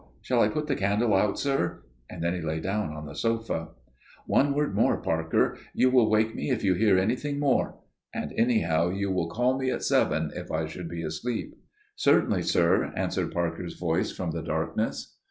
Shall I put the candle out, sir?" Then he lay down on the sofa. "One word more, Parker. You will wake me if you hear anything more. And anyhow you will call me at seven if I should be asleep." "Certainly, sir," answered Parker's voice from the darkness.